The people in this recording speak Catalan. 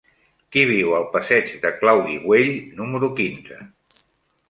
Qui viu al passeig de Claudi Güell número quinze?